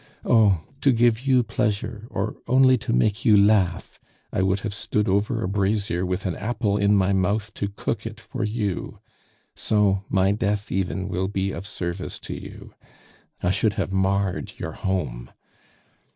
Oh! to give you pleasure, or only to make you laugh, I would have stood over a brazier with an apple in my mouth to cook it for you. So my death even will be of service to you. I should have marred your home.